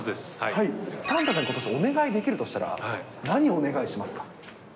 サンタさんにことしお願いできるとしたら、何をお願いしますか？